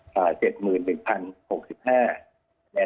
คุณค่ะ